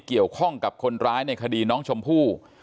เกี่ยวข้องกับคนร้ายในคดีน้องชมพู่